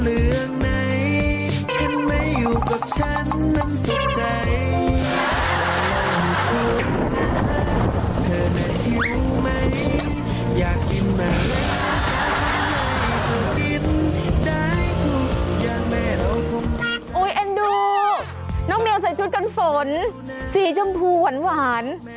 เอ็นดูน้องเมียวใส่ชุดกันฝนสีชมพูหวาน